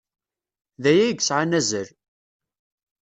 D aya ay yesɛan azal.